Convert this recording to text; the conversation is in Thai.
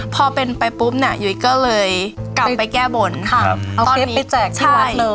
พอเป็นไปปุ๊บเนี่ยยุ้ยก็เลยกลับไปแก้บนเอาคลิปนี้ไปแจกที่วัดเลย